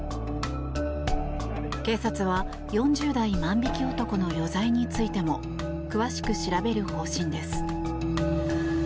警察は４０代万引き男の余罪についても詳しく調べる方針です。